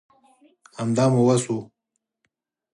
همدا مو وس وو